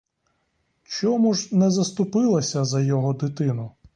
Чому ж не заступилася за його дитину?